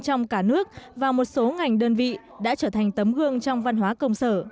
trong cả nước và một số ngành đơn vị đã trở thành tấm gương trong văn hóa công sở